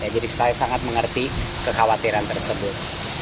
jadi saya sangat mengerti kekhawatiran tersebut